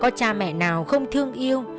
có cha mẹ nào không thương yêu